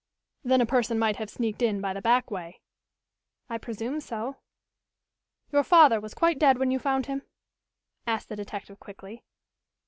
"Then a person might have sneaked in by the back way?" "I presume so." "Your father was quite dead when you found him?" asked the detective quickly.